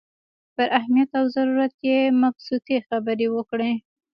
پر اهمیت او ضرورت یې مبسوطې خبرې وکړې.